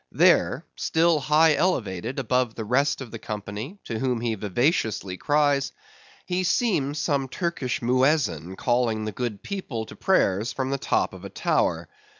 There—still high elevated above the rest of the company, to whom he vivaciously cries—he seems some Turkish Muezzin calling the good people to prayers from the top of a tower.